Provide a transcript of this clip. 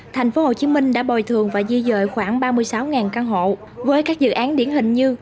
tp hcm đã bồi thường và di dời khoảng ba mươi sáu căn hộ với các dự án điển hình như